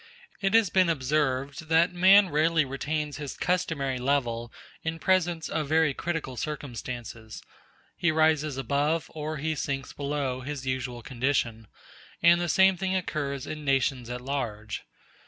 It has been observed that man rarely retains his customary level in presence of very critical circumstances; he rises above or he sinks below his usual condition, and the same thing occurs in nations at large.